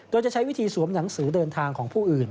โดยจะใช้วิธีสวมหนังสือเดินทางของผู้อื่น